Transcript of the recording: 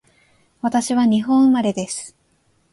私は日本生まれです